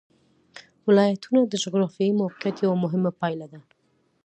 ولایتونه د جغرافیایي موقیعت یوه مهمه پایله ده.